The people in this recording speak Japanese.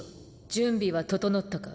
準備は整ったか？